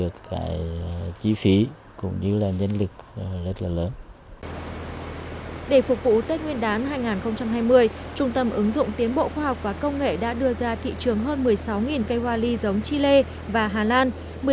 để phục vụ tết nguyên đán hai nghìn hai mươi trung tâm ứng dụng tiến bộ khoa học và công nghệ đã đưa ra thị trường hơn một mươi sáu cây hoa ly giống chile và hà lan